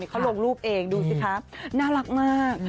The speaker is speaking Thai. เขาลงรูปเองดูสิครับน่ารักมาก